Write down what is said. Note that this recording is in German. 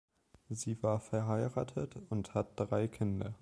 Sie war verheiratet und hat drei Kinder.